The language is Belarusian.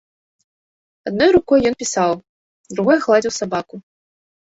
Адной рукой ён пісаў, другой гладзіў сабаку.